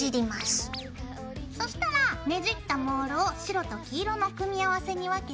そしたらねじったモールを白と黄色の組み合わせに分けて。